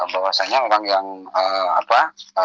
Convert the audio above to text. bahwasannya orang yang apa